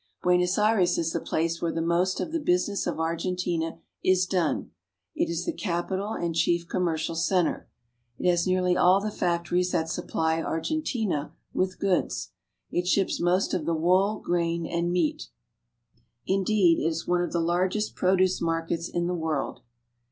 Buenos Aires is the place where the most of the busi ness of Argentina is done. It is the capital and chief commqrcial center. It has nearly all the factories that Buenos Aires. supply Argentina with goods. It ships most of the wool, grain, and meat. Indeed, it is one of the largest produce markets in the world.